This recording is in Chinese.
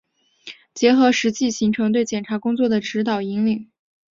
结合实际形成对检察工作的指导、引领